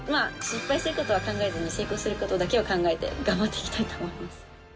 失敗することは考えずに成功することだけを考えて頑張っていきたいと思います